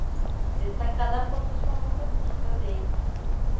Destacada por sus famosas pistas de esquí.